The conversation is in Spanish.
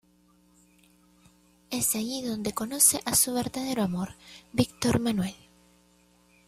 Es ahí donde conoce a su verdadero amor, Víctor Manuel.